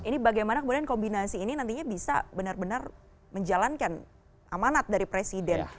ini bagaimana kemudian kombinasi ini nantinya bisa benar benar menjalankan amanat dari presiden